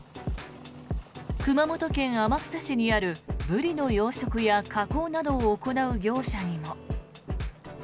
熊本県天草市にあるブリの養殖や加工などを行う業者にも。